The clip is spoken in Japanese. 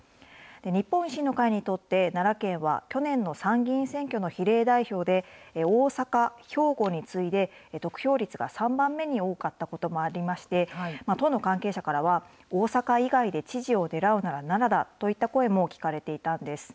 日本維新の会にとって、奈良県は去年の参議院選挙の比例代表で、大阪、兵庫に次いで、得票率が３番目に多かったこともありまして、党の関係者からは、大阪以外で知事をねらうなら奈良だといった声も聞かれていたんです。